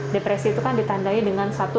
depresi itu kan ditandai dengan satu